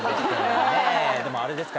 でもあれですか？